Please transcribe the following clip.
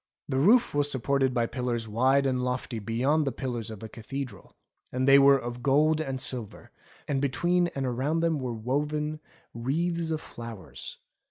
The roof was supported by pillars wide and lofty beyond the pillars of a cathedral ; and they were of gold and silver, fretted into foliage, and between and around them were woven wreaths of flowers.